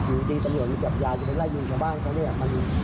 อยู่ดีตำรวจมันจับยาจะเป็นไร่ยิงของบ้านเขาเนี่ย